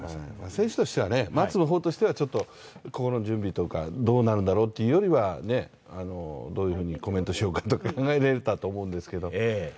選手としては、待つ方としては、心の準備とかどうなるんだろうというよりはどういうふうにコメントしようかなとか考えられたと思うんですけど。